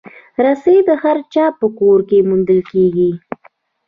رسۍ د هر چا په کور کې موندل کېږي.